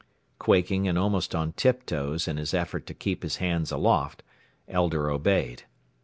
Quaking, and almost on tiptoes in his effort to keep his hands aloft, Elder obeyed.